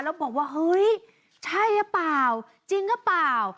แล้วบอกว่าเฮ้ยใช่หรือเปล่าจริงหรือเปล่า